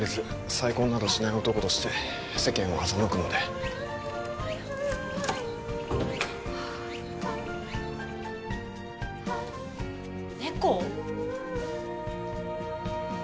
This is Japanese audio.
「再婚などしない男」として世間を欺くのであっはあ猫？